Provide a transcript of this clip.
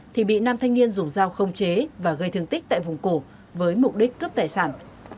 thì bị nam thanh niên dùng dao không chế và gây thương tích tại vùng cổ với mục đích cướp tài sản